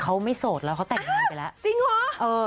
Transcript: เขาไม่สดแล้วเขาแต่งงานไปแล้ว